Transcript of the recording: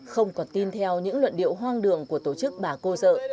không còn tin theo những luận điệu hoang đường của tổ chức bà cô dợ